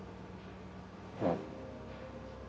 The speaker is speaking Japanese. うん。